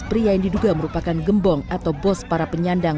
pria yang diduga merupakan gembong atau bos para penyandang